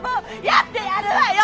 やってやるわよ！